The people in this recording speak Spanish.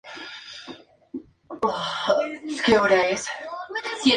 La jornada cerró con la representación de una obra de teatro.